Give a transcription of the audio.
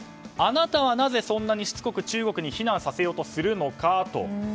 あなたはなぜ、そんなにしつこく中国に非難させようとするのか。